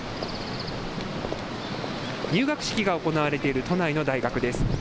入学式が行われている都内の大学です。